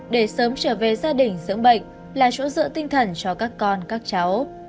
để sớm trở về gia đình dưỡng bệnh là chỗ dựa tinh thần cho các con các cháu